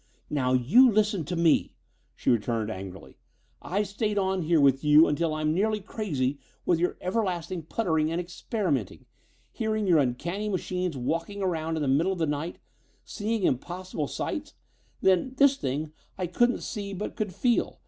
"Now, you listen to me!" she returned angrily, "I've stayed on here with you until I'm nearly crazy with your everlasting puttering and experimenting hearing your uncanny machines walking around in the middle of the night seeing impossible sights then, this thing I couldn't see but could feel.